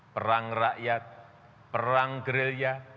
perang rakyat perang gerilya